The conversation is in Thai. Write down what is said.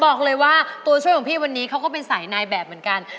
บอกเลยว่าตัวช่วยของพี่วันนี้เขาก็เป็นสายนายแบบเหมือนกัน